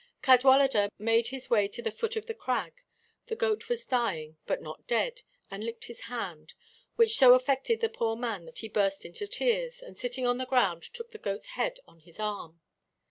Cadwaladr made his way to the foot of the crag; the goat was dying, but not dead, and licked his hand which so affected the poor man that he burst into tears, and sitting on the ground took the goat's head on his arm.